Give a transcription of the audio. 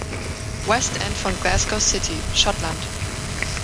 West End von Glasgow City, Schottland.